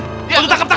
untuk takut takut takut